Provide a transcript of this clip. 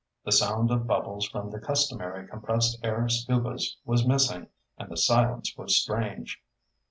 The sound of bubbles from the customary compressed air Scubas was missing, and the silence was strange.